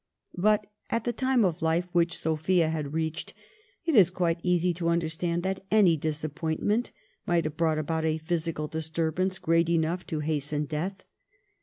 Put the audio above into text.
But at the time of life which Sophia had reached it is quite easy to understand that any disappointment might have brought about a physical disturbance great enough to hasten death.